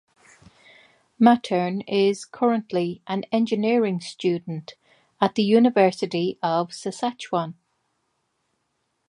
Mattern is currently an engineering student at the University of Saskatchewan.